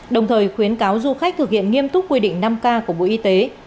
đồng thời khuyến cáo du khách thực hiện nghiêm túc quy định năm k của bộ y tế